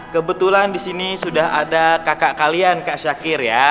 kebetulan di sini sudah ada kakak kalian kak syakir ya